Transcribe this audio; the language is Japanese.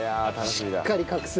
しっかり隠す？